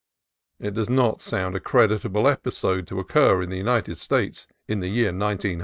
It does not sound a creditable episode to occur in the United States in the year 191 1.